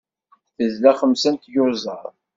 Tezla xemsa n tyuẓaḍ.